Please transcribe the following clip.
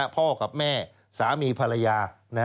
พ่อกับแม่สามีภรรยา